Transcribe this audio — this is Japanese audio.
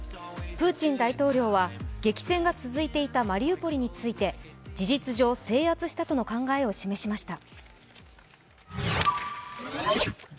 プーチン大統領は激戦が続いていたマリウポリについて事実上制圧したとの考えを示しました。